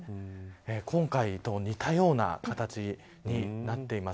今回と似たような形になっています。